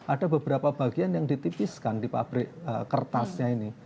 ada beberapa bagian yang ditipiskan di pabrik kertasnya ini